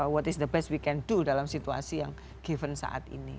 what is the best we can do dalam situasi yang given saat ini